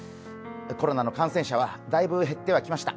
コロナの感染者は大分、減ってはきました。